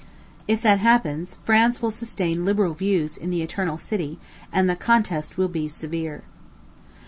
If that happens, France will sustain liberal views in the Eternal City, and the contest will be severe.